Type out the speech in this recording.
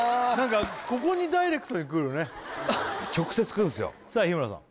ここにダイレクトにくるね直接くるんすよさあ日村さん